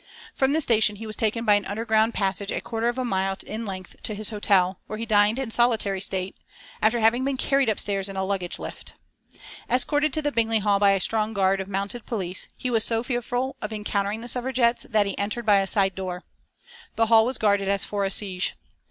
From the station he was taken by an underground passage a quarter of a mile in length to his hotel, where he dined in solitary state, after having been carried upstairs in a luggage lift. Escorted to the Bingley Hall by a strong guard of mounted police, he was so fearful of encountering the Suffragettes that he entered by a side door. The hall was guarded as for a siege.